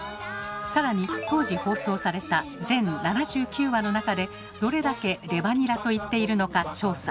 更に当時放送された全７９話の中でどれだけ「レバニラ」と言っているのか調査。